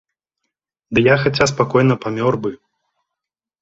Ды я хаця спакойна памёр бы.